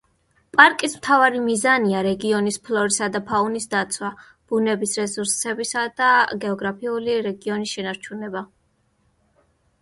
პარკის მთავარი მიზანია რეგიონის ფლორისა და ფაუნის დაცვა, ბუნების რესურსებისა და გეოგრაფიული რეგიონის შენარჩუნება.